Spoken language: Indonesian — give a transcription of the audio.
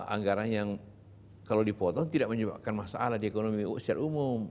anggaran yang kalau dipotong tidak menyebabkan masalah di ekonomi secara umum